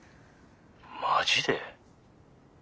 マジで？